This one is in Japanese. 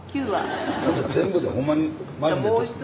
全部でほんまに。